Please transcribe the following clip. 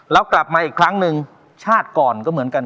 แล้วกลับมาอีกครั้งหนึ่งชาติก่อนก็เหมือนกัน